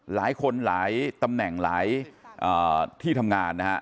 หลายคนหลายตำแหน่งหลายที่ทำงานนะฮะ